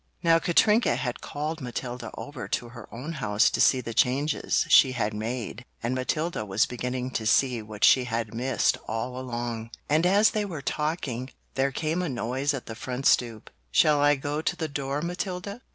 Now Katrinka had called Matilda over to her own house to see the changes she had made and Matilda was beginning to see what she had missed all along. And as they were talking, there came a noise at the front stoop. "Shall I go to the door, Matilda?"